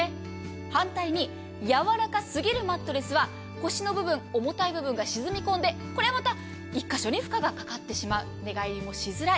反対にやわらか過ぎるマットレスは、腰の部分、重たい部分が沈み込んで、これまた１か所に負荷がかかってしまう、寝返りもしづらい。